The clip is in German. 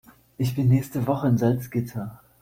Ich bin nächste Woche in Salzgitter